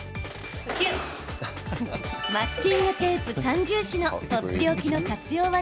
マスキングテープ三銃士のとっておきの活用技